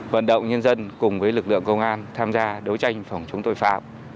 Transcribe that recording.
vận động nhân dân cùng với lực lượng công an tham gia đấu tranh phòng chống tội phạm